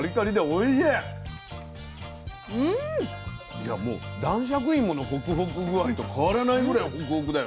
いやもう男爵いものホクホク具合と変わらないぐらいホクホクだよね。